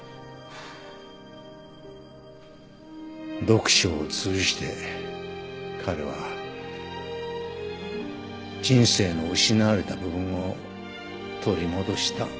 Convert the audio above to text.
読書を通じて彼は人生の失われた部分を取り戻した。